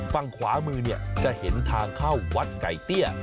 ฝั่งขวามือจะเห็นทางเข้าวัดไก่เตี้ย